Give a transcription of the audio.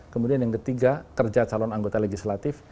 kemudian yang ketiga kerja calon anggota legislatif